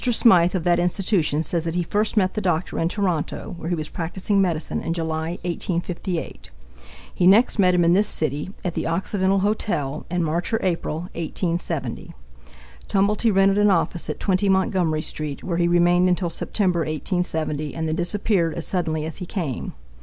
Smythe of that institution says that he first met the doctor in Toronto, where he was practicing medicine in July, 1858. He next met him in this city, at the Occidental Hotel, in March or April, 1870. Tumblety rented an office at 20 Montgomery street, where he remained until September, 1870, and then disappeared as suddenly as he came.